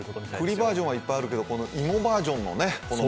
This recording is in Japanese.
栗バージョンはいっぱいあるけど、芋バージョンもね。